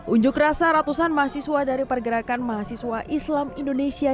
unjuk rasa ratusan mahasiswa dari pergerakan mahasiswa islam indonesia